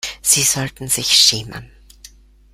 Sie sollten sich schämen!